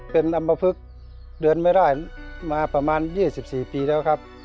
เป็นอำมพึกเดินไม่ได้มาประมาณ๒๔ปีแล้วครับ